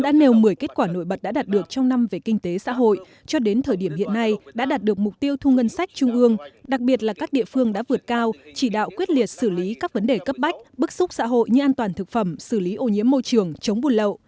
đã nêu một mươi kết quả nổi bật đã đạt được trong năm về kinh tế xã hội cho đến thời điểm hiện nay đã đạt được mục tiêu thu ngân sách trung ương đặc biệt là các địa phương đã vượt cao chỉ đạo quyết liệt xử lý các vấn đề cấp bách bức xúc xã hội như an toàn thực phẩm xử lý ô nhiễm môi trường chống buôn lậu